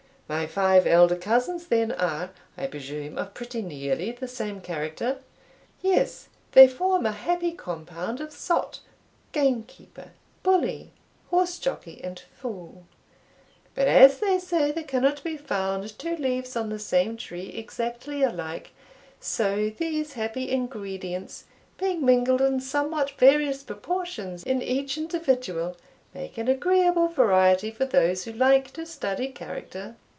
"My five elder cousins, then, are I presume of pretty nearly the same character." "Yes, they form a happy compound of sot, gamekeeper, bully, horse jockey, and fool; but as they say there cannot be found two leaves on the same tree exactly alike, so these happy ingredients, being mingled in somewhat various proportions in each individual, make an agreeable variety for those who like to study character."